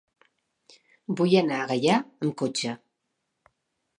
Vull anar a Gaià amb cotxe.